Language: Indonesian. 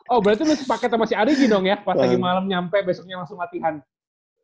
ah berarti lu masih pake sama si ari gimno ya pas pagi malem nyampe besoknya langsung latihan